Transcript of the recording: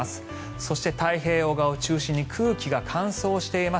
そして太平洋側を中心に空気が乾燥しています。